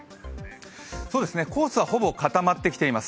コースはほぼ固まってきています